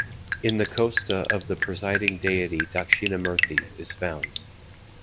In the kosta of the presiding deity Dakshinamurthi is found.